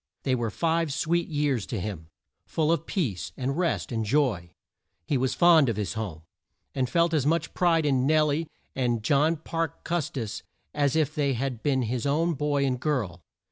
They were five sweet years to him; full of peace, and rest, and joy. He was fond of his home, and felt as much pride in Nel lie and John Parke Cus tis as if they had been his own boy and girl.